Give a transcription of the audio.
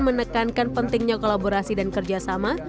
menekankan pentingnya kolaborasi dan kerjasama